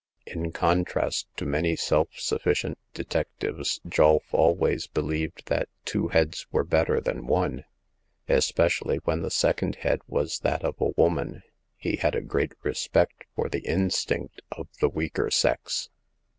In con trast to many self sufficient detectives, Julf al ways believed that two heads were better than one, especially when the second head w^as that of a woman. He had a great respect for the instinct of the weaker sex.